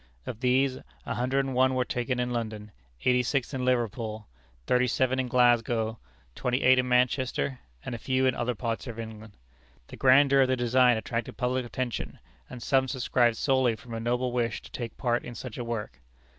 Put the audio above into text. Of these, a hundred and one were taken in London, eighty six in Liverpool, thirty seven in Glasgow, twenty eight in Manchester, and a few in other parts of England. The grandeur of the design attracted public attention, and some subscribed solely from a noble wish to take part in such a work.